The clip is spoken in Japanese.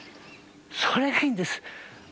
それがいいんです。